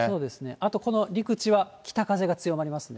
あと、この陸地は北風が強まりますね。